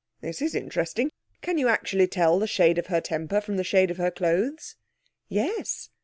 This is interesting. Can you actually tell the shade of her temper from the shade of her clothes?' 'Yes.